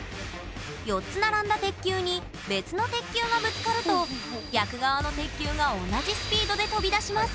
４つ並んだ鉄球に別の鉄球がぶつかると逆側の鉄球が同じスピードで飛び出します